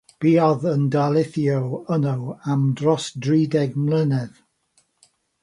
Buodd yn darlithio yno am dros dri deg mlynedd.